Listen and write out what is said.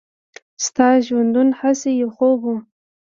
«ستا ژوندون هسې یو خوب و.»